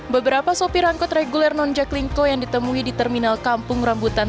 beberapa sopir angkut reguler non jaklingko yang ditemui di terminal kampung rambutan